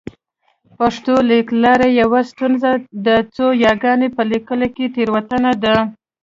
پښتو لیکلار یوه ستونزه د څو یاګانو په لیکلو کې تېروتنه ده